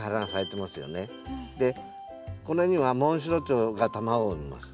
でこれにはモンシロチョウが卵を産みます。